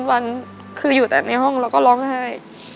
วันคืออยู่แต่ในห้องแล้วก็ร้องไห้